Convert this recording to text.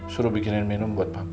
suruh bikinin minum buat pak